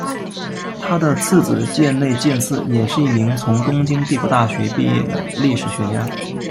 他的次子箭内健次也是一名从东京帝国大学毕业的历史学家。